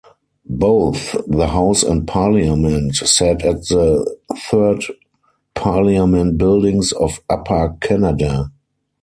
Both the House and Parliament sat at the third Parliament Buildings of Upper Canada.